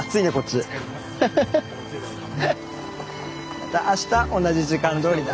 またあした同じ時間どおりだ。